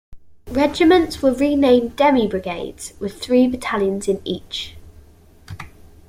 Regiments were renamed demi-brigades, with three battalions in each.